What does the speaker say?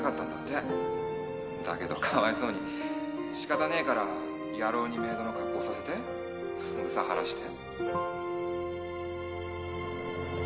だけどかわいそうに仕方ねえから野郎にメイドの格好させて憂さ晴らして。